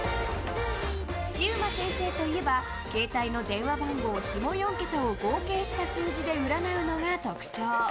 シウマ先生といえば携帯の電話番号下４桁を合計した数字で占うのが特徴。